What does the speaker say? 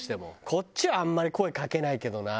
こっちはあんまり声かけないけどな。